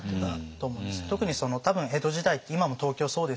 特に多分江戸時代って今も東京そうです